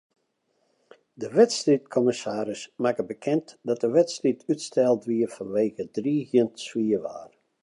De wedstriidkommissaris makke bekend dat de wedstriid útsteld wie fanwege driigjend swier waar.